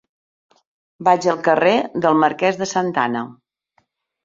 Vaig al carrer del Marquès de Santa Ana.